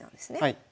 はい。